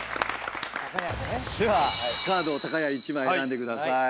ではカードをたかやん１枚選んでください。